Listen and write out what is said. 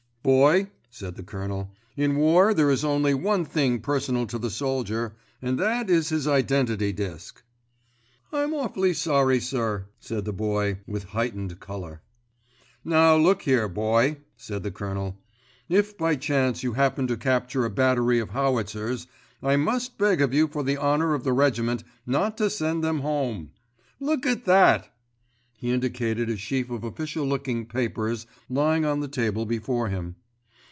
"Boy," said the Colonel, "In war there is only one thing personal to the soldier, and that is his identity disc." "I'm most awfully sorry, sir," said the Boy with heightened colour. "Now look here Boy," said the Colonel, "If by chance you happen to capture a battery of howitzers, I must beg of you for the honour of the regiment not to send them home. Look at that!" He indicated a sheaf of official looking papers lying on the table before him.